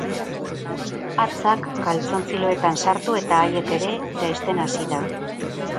Hatzak galtzontziloetan sartu eta haiek ere jaisten hasi da.